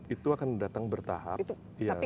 itu akan datang bertahap